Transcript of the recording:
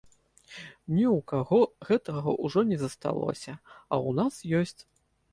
Ні ў каго гэтага ўжо не засталося, а ў нас ёсць.